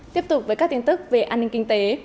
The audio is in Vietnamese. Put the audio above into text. tiếp tục với các tin tức về an ninh kinh tế